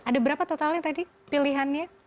ada berapa totalnya tadi pilihannya